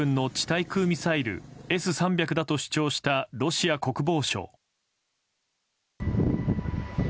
対空ミサイルＳ３００だと主張したロシア国防省。